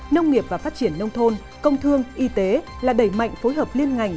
nông nghiệp và phát triển nông thôn công thương y tế là đẩy mạnh phối hợp liên ngành